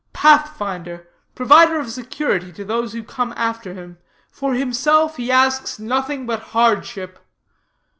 Pathfinder, provider of security to those who come after him, for himself he asks nothing but hardship.